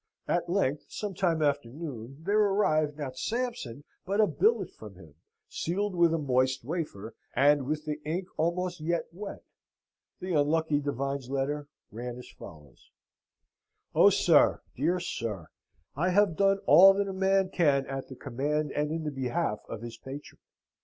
At length, some time after noon, there arrived, not Sampson, but a billet from him, sealed with a moist wafer, and with the ink almost yet wet. The unlucky divine's letter ran as follows: "Oh, sir, dear sir, I have done all that a man can at the command and in the behalf of his patron!